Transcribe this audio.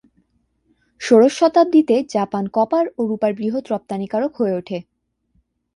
ষোড়শ শতাব্দীতে Japan copper ও রূপার বৃহৎ রপ্তানিকারক হয়ে ওঠে।